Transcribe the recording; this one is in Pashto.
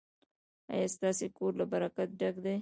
ایا ستاسو کور له برکت ډک دی؟